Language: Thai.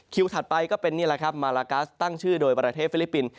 ถัดไปก็เป็นนี่แหละครับมาลากัสตั้งชื่อโดยประเทศฟิลิปปินส์